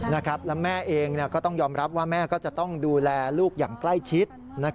แล้วแม่เองก็ต้องยอมรับว่าแม่ก็จะต้องดูแลลูกอย่างใกล้ชิด